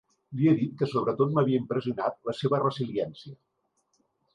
Li he dit que sobretot m’havia impressionat la seva resiliència.